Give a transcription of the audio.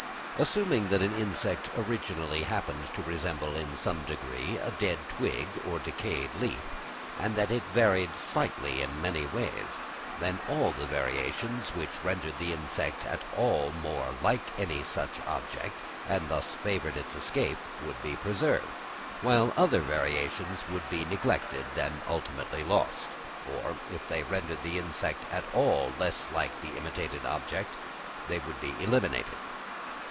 Assuming that an insect originally happened to resemble in some degree a dead twig or a decayed leaf, and that it varied slightly in many ways, then all the variations which rendered the insect at all more like any such object, and thus favoured its escape, would be preserved, while other variations would be neglected and ultimately lost; or, if they rendered the insect at all less like the imitated object, they would be eliminated.